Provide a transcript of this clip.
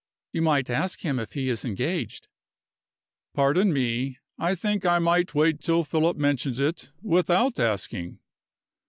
"You might ask him if he is engaged?" "Pardon me. I think I might wait till Philip mentions it without asking."